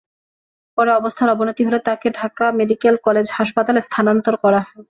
পরে অবস্থার অবনতি হলে তাকে ঢাকা মেডিকেল কলেজ হাসপাতালে স্থানান্তর করা হয়।